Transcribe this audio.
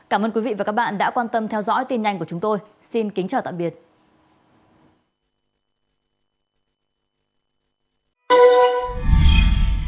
cảm ơn các bạn đã theo dõi và hẹn gặp lại